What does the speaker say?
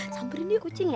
sambilin dia kucing ya